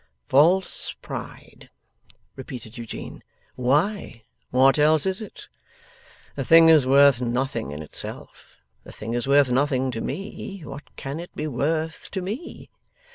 'False pride!' repeated Eugene. 'Why, what else is it? The thing is worth nothing in itself. The thing is worth nothing to me. What can it be worth to me?